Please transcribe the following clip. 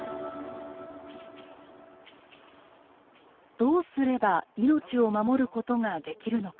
どうすれば命を守ることができるのか。